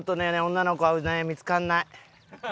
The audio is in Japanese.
女の子はね見付からない。